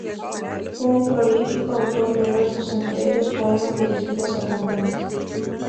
Fue un prolífico autor de versos, entre ellos poemas dirigidos a cantantes.